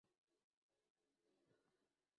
La distribución corrió a cargo de Universal Studios.